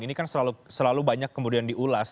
ini kan selalu banyak kemudian diulas